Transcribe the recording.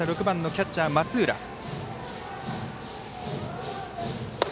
６番キャッチャーの松浦。